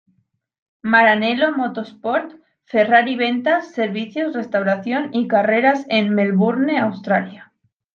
Maranello Motorsport: Ferrari Ventas, Servicio, Restauración y Carreras en Melbourne, Australia.